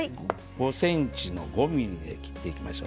５ｃｍ、５ｍｍで切っていきましょう。